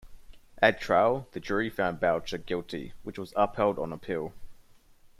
At trial, the jury found Boucher guilty, which was upheld on appeal.